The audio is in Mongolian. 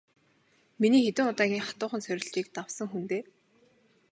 Миний хэдэн удаагийн хатуухан сорилтыг давсан хүн дээ.